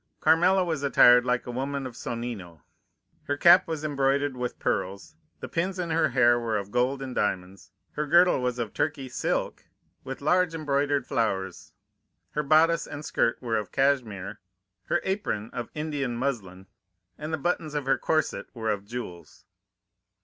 Carmela was attired like a woman of Sonnino. Her cap was embroidered with pearls, the pins in her hair were of gold and diamonds, her girdle was of Turkey silk, with large embroidered flowers, her bodice and skirt were of cashmere, her apron of Indian muslin, and the buttons of her corset were of jewels.